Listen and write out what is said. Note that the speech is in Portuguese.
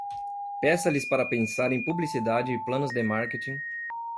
Peça-lhes para pensar em publicidade e planos de marketing